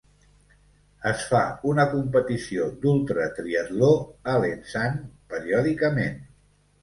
Es fa una competició d'ultratriatló a Lensahn periòdicament.